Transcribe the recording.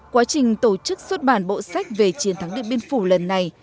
quá trình tổ chức xuất bản bộ sách về chiến thắng điện biên phủ lần này